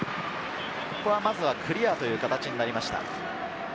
まずはクリアという形になりました。